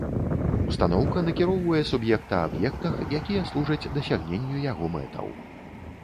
Ўстаноўка накіроўвае суб'екта аб'ектах, якія служаць дасягненню яго мэтаў.